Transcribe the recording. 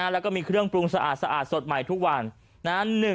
แล้วก็มีเครื่องปรุงสะอาดสดใหม่ทุกวัน